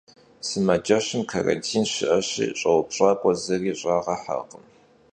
Sımaceşım karantin şı'eşi, ş'eupş'ak'ue zıri ş'ağeherkhım.